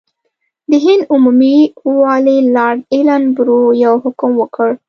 د هند عمومي والي لارډ ایلن برو یو حکم وکړ.